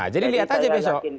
jadi lihat aja besok